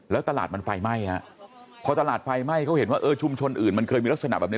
แล้วตลาดมันไฟไหม้ฮะพอตลาดไฟไหม้เขาเห็นว่าเออชุมชนอื่นมันเคยมีลักษณะแบบนี้